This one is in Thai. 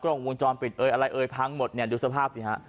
กล้องวงจรปิดเอ่ยอะไรเอ่ยพังหมดเนี่ยดูสภาพสิฮะ